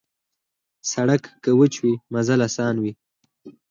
سړک که وچه وي، مزل اسان وي.